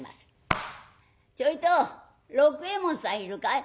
「ちょいと六右衛門さんいるかい？」。